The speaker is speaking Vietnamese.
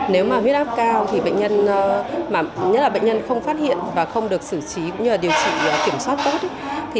nếu mà huyết áp cao thì bệnh nhân nhất là bệnh nhân không phát hiện và không được xử trí cũng như điều trị kiểm soát tốt